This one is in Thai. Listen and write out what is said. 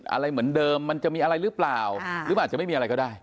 อะไรเหมือนเดิมมันจะมีอะไรหรือเปล่าหรือมันอาจจะไม่มีอะไรก็ได้